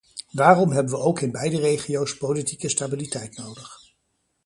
Daarom hebben we ook in beide regio's politieke stabiliteit nodig.